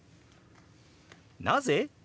「なぜ？」。